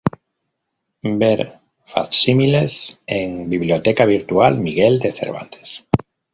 Ver facsímiles en: Biblioteca Virtual Miguel de Cervantes.